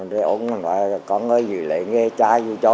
rồi ông nói con ơi dù lấy nghề cha dù cho